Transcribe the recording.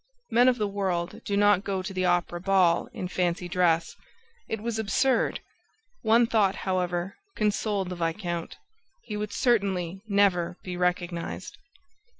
Men of the world do not go to the Opera ball in fancy dress! It was absurd. One thought, however, consoled the viscount: he would certainly never be recognized!